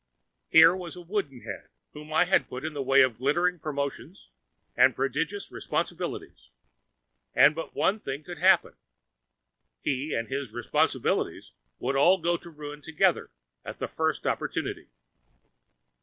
Here was a wooden head whom I had put in the way of glittering promotions and prodigious responsibilities, and but one thing could happen: he and his responsibilities would all go to ruin together at the first opportunity.